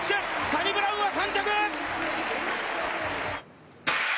サニブラウンは３着！